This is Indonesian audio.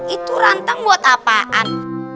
itu ranteng buat apaan